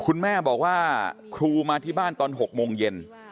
คุณแม่บอกว่าครูมาที่บ้านตอน๖โมงเย็น